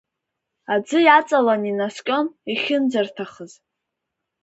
Аӡы иаҵалан инаскьон иахьынӡарҭахыз.